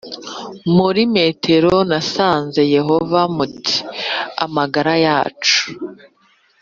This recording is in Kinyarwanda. Muri metero nasenze yehova muti amagara yacu